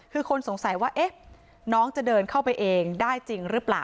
คือคนสงสัยว่าน้องจะเดินเข้าไปเองได้จริงหรือเปล่า